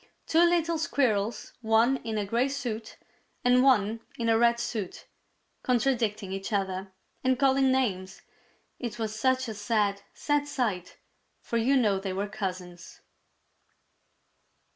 two little Squirrels, one in a gray suit and one in a red suit, contradicting each other and calling names! It was such a sad, sad sight, for you know they were cousins.